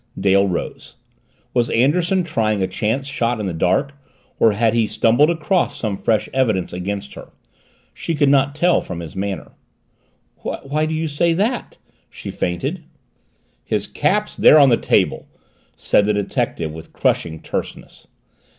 Dale rose. Was Anderson trying a chance shot in the dark or had he stumbled upon some fresh evidence against her? She could not tell from his manner. "Why do you say that?" she feinted. "His cap's there on that table," said the detective with crushing terseness.